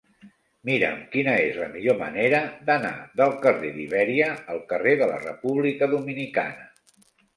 Mira'm quina és la millor manera d'anar del carrer d'Ibèria al carrer de la República Dominicana.